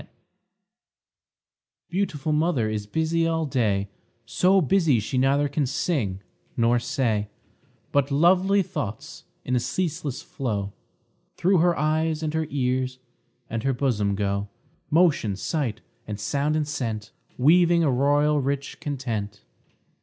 _ Beautiful mother is busy all day, So busy she neither can sing nor say; But lovely thoughts, in a ceaseless flow, Through her eyes, and her ears, and her bosom go Motion, sight, and sound, and scent, Weaving a royal, rich content.